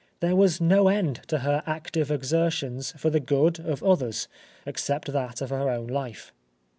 There was no end to her active exertions for the good of others except that of her life.